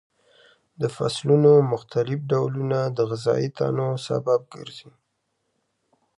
د فصلونو مختلف ډولونه د غذایي تنوع سبب ګرځي.